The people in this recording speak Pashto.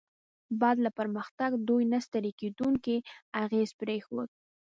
بعد له پرمختګ، دوی نه ستړي کیدونکی اغېز پرېښود.